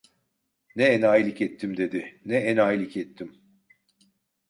"Ne enayilik ettim!" dedi, "Ne enayilik ettim!